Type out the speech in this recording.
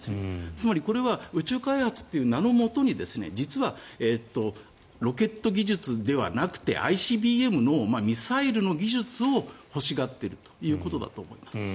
つまりこれは宇宙開発という名のもとに実はロケット技術ではなくてＩＣＢＭのミサイルの技術を欲しがっているということだと思います。